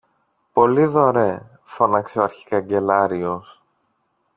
Πολύδωρε! φώναξε ο αρχικαγκελάριος.